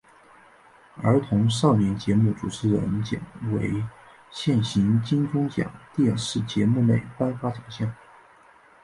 儿童少年节目主持人奖为现行金钟奖电视节目类颁发奖项。